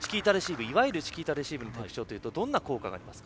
いわゆるチキータレシーブの特徴というとどんな効果がありますか？